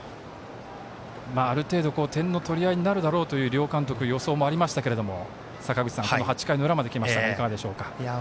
ある程度、点の取り合いになるだろうという両監督、予想もありましたけどこの８回の裏まできましたがいかがでしょうか。